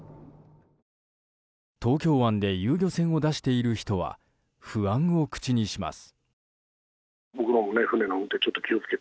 東京湾で遊漁船を出している人は不安を口にします。